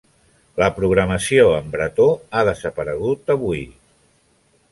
La programació en bretó ha desaparegut avui.